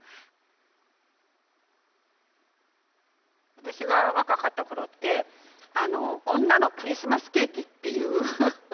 私が若かった頃って女のクリスマスケーキっていう言葉があって。